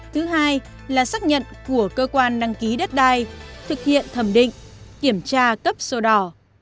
thứ hai là xác nhận của cơ quan đăng ký đất đai thực hiện thẩm định kiểm tra cấp sổ đỏ